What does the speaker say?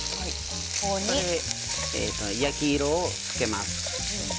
焼き色をつけます。